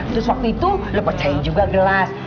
terus waktu itu ibu juga pecahkan gelas